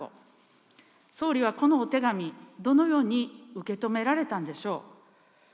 総理はこのお手紙、どのように受け止められたんでしょう。